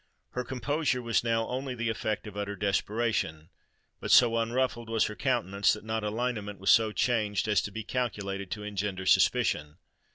Her composure was now only the effect of utter desperation: but so unruffled was her countenance, that not a lineament was so changed as to be calculated to engender suspicion.